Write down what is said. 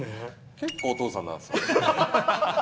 結構、お父さんなんですよ。